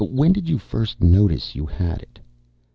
When did you first notice you had it?"